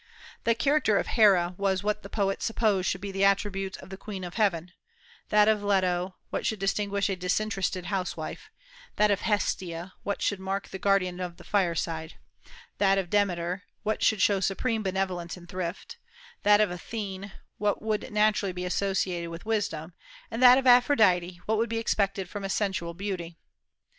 The character of Hera was what the poets supposed should be the attributes of the Queen of heaven; that of Leto, what should distinguish a disinterested housewife; that of Hestia, what should mark the guardian of the fireside; that of Demeter, what should show supreme benevolence and thrift; that of Athene, what would naturally be associated with wisdom, and that of Aphrodite, what would be expected from a sensual beauty.